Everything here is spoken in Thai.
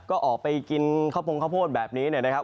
ก็ออกไปกินข้าวโพงข้าวโพดแบบนี้นะครับ